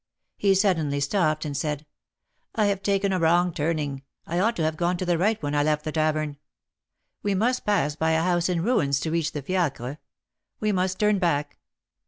He suddenly stopped, and said, "I have taken a wrong turning; I ought to have gone to the right when I left the tavern; we must pass by a house in ruins to reach the fiacre. We must turn back."